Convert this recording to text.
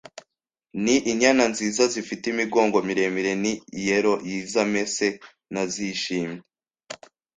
Ni inyana nziza zifite imigongo miremire n’iiero yiza mese nazishimye